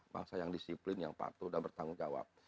bangsa yang disiplin yang patuh dan bertanggung jawab